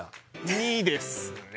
２ですね。